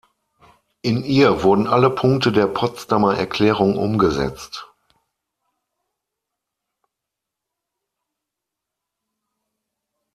In ihr wurden alle Punkte der Potsdamer Erklärung umgesetzt.